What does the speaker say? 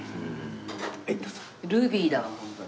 ルビーだわホントに。